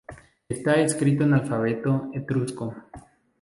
Está escrito en alfabeto etrusco.